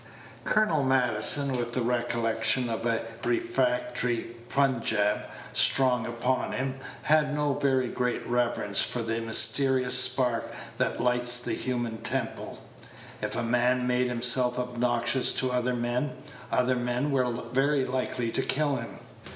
Colonel Maddison, with the recollection of a refractory Punjaub strong upon him, had no very great reverence for the mysterious spark that lights the human temple. If a man made himself obnoxious to other men, other men were very likely to kill him.